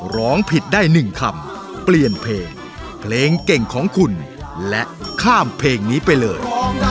ร้องผิดได้๑คำเปลี่ยนเพลงเพลงเก่งของคุณและข้ามเพลงนี้ไปเลย